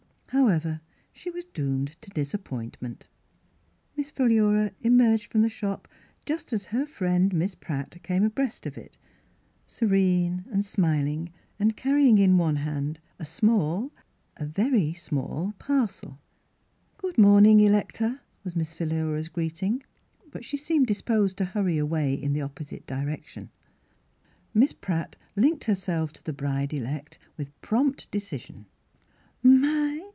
However, she was doomed to disappoint ment ; Miss Philura emerged from the shop just as her friend. Miss Pratt, came abreast of it, serene and smiling, and car Miss Philura's Wedding Gown rying in one hand a small, a very small parcel. " Good morning, Electa," was Miss Phi lura's greeting. But she seemed disposed to hurry away in the opposite direction. Miss Pratt linked herself to the bride elect with prompt decision. " My